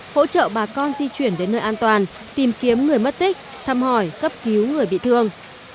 hỗ trợ bà con di chuyển đến nơi an toàn tìm kiếm người mất tích thăm hỏi cấp cứu người bị thương